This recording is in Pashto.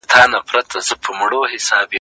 تاسو د دې ښوونځي په جوړولو کي مرسته کړې ده.